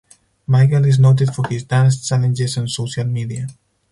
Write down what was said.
Michael is noted for his dance challenges on social media.